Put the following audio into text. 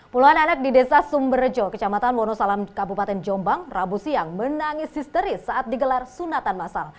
puluhan anak di desa sumberjo kecamatan wonosalam kabupaten jombang rabu siang menangis histeris saat digelar sunatan masal